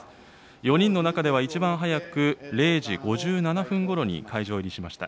４人の中では一番早く、０時５７分ごろに会場入りしました。